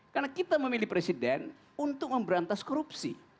karena kita memilih presiden untuk memberantas korupsi